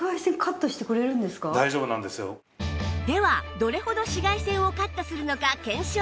ではどれほど紫外線をカットするのか検証